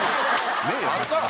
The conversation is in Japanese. あるか！